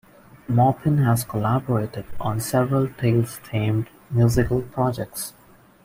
Maupin has collaborated on several "Tales"-themed musical projects.